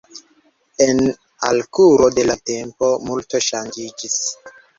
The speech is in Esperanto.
En al kuro de la tempo multo ŝanĝiĝis.